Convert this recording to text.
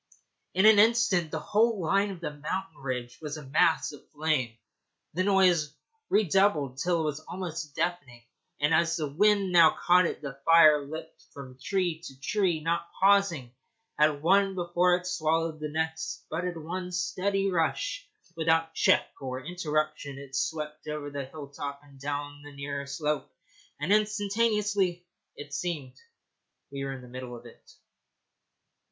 In an instant the whole line of the mountain ridge was a mass of flame, the noise redoubled till it was almost deafening, and, as the wind now caught it, the fire leaped from tree to tree, not pausing at one before it swallowed the next, but in one steady rush, without check or interruption, it swept over the hill top and down the nearer slope, and instantaneously, as it seemed, we were in the middle of it.